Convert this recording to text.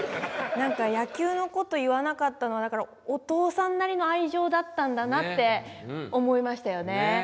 何か野球のこと言わなかったのお父さんなりの愛情だったんだなって思いましたよね。